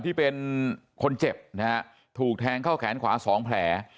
ที่เป็นคนเจ็บนะฮะถูกแทงเข้าแขนขวาสองแผล